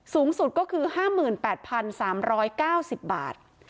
สูงสุดก็คือ๕๘๓๙๐บาท